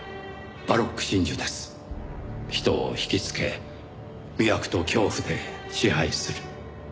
人を引きつけ魅惑と恐怖で支配する。